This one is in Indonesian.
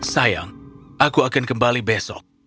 sayang aku akan kembali besok